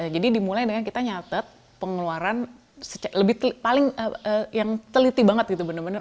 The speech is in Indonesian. jadi dimulai dengan kita nyatet pengeluaran yang paling teliti banget gitu bener bener